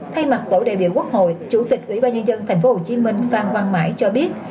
thay mặt tổ đại biểu quốc hội chủ tịch ủy ban nhân dân tp hcm phan quang mãi cho biết